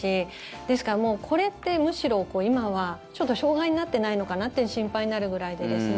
ですから、もうこれってむしろ今はちょっと障害になってないのかなって心配になるぐらいでですね